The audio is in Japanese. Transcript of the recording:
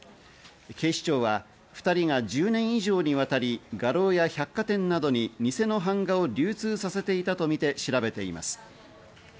警視庁は、２人が１０年以上にわたり画廊や百貨店などに偽の版画を流通させたとみて調べています。